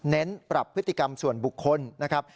ปรับพฤติกรรมส่วนบุคคลนะครับ